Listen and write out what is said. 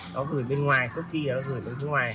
nó gửi bên ngoài shopee nó gửi bên ngoài